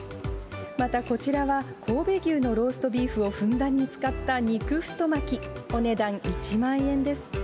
またこちらは、神戸牛のローストビーフをふんだんに使った肉太巻き、お値段１万円です。